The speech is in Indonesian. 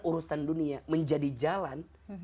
urusan dunia menjadi jalan